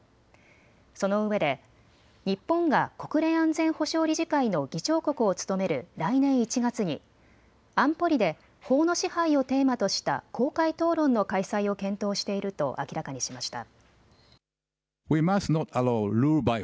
そのうえで日本が国連安全保障理事会の議長国を務める来年１月に安保理で法の支配をテーマとした公開討論の開催を検討していると明らかにしました。